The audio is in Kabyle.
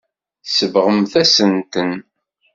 Tsebɣemt-as-ten.